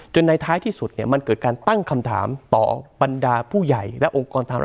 จนในท้ายที่สุดมันเกิดการตั้งคำถาม